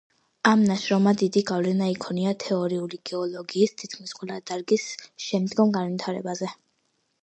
ამ ნაშრომმა დიდი გავლენა იქონია თეორიული გეოლოგიის თითქმის ყველა დარგის შემდომ განვითარებაზე.